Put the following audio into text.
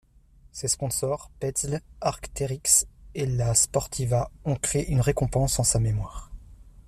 Ses sponsors, Petzl, Arc'teryx et La Sportiva ont créé une récompense en sa mémoire.